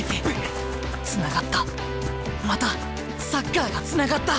つながったまたサッカーがつながった！